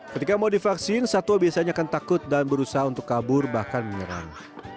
ketika mau divaksin satwa biasanya akan takut dan berusaha untuk kabur bahkan menyerang